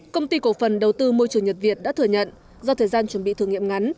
công ty cổ phần đầu tư môi trường nhật việt đã thừa nhận do thời gian chuẩn bị thử nghiệm ngắn